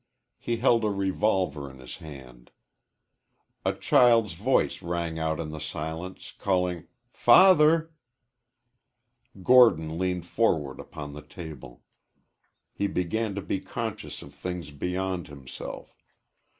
He held a revolver in his hand. A child's voice rang out in the silence, calling "father." Gordon leaned forward upon the table. He began to be conscious of things beyond himself.